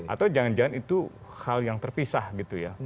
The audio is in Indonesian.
atau jangan jangan itu hal yang terpisah gitu ya